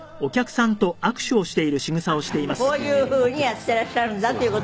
こういう風にやっていらっしゃるんだという。